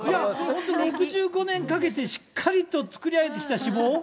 本当６５年かけて、しっかりと作り上げてきた脂肪？